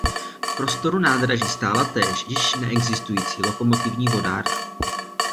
V prostoru nádraží stála též již neexistující lokomotivní vodárna.